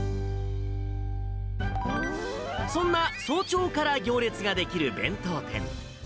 そんな早朝から行列が出来る弁当店。